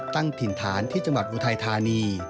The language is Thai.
ตั้งถิ่นฐานที่จังหวัดอุทัยธานี